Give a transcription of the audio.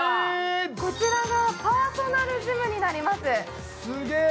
こちらがパーソナルジムになります。